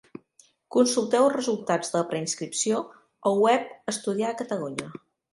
Consulteu els resultats de la preinscripció al web Estudiar a Catalunya.